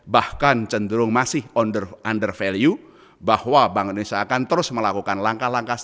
bahkan cenderung masih under value bahwa bank indonesia akan terus melakukan langkah langkah